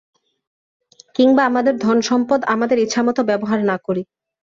কিংবা আমাদের ধনসম্পদ আমাদের ইচ্ছামত ব্যবহার না করি?